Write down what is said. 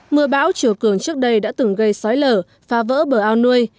mưa bão chiều cường trước đây đã từng gây sói lở phá vỡ bờ ao nuôi